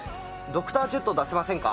ドクタージェット出せませんか。